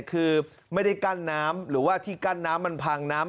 คือไม่ได้กั้นน้ำหรือว่าที่กั้นน้ำมันพังน้ำ